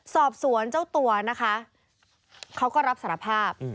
สอบสวนเจ้าตัวนะคะเขาก็รับสารภาพ